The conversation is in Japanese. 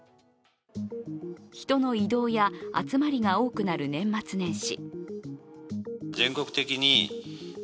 人の移動や集まりが多くなる年末年始。